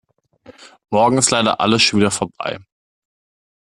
Morgen ist leider alles schon wieder vorbei.